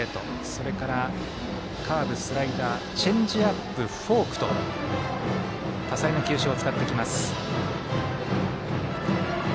それから、カーブスライダー、チェンジアップフォークと多彩な球種を使ってきます。